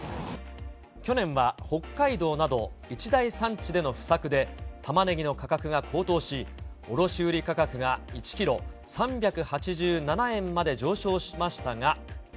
去年は北海道など一大産地での不作で、たまねぎの価格が高騰し、卸売り価格が１キロ３８７円まで上昇しましたが。